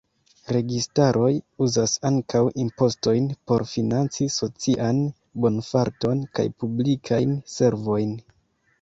Registaroj uzas ankaŭ impostojn por financi socian bonfarton kaj publikajn servojn.